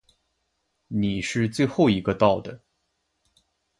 你是最后一个到的。